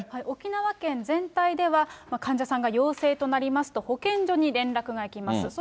沖縄県全体では、患者さんが陽性となりますと、保健所に連絡がいきます。